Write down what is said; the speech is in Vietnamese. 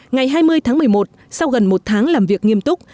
ngày hai mươi tháng một mươi một sau gần một tháng làm việc nghiêm túc